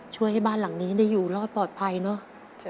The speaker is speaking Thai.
ช่วยให้บ้านหลังนี้ได้อยู่รอดปลอดภัยเนอะ